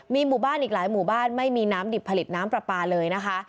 มีหมู่บ้านอีกหลายหมู่บ้านไม่มีน้ำดิบผลิตน้ำปลาปลาเลยนะคะ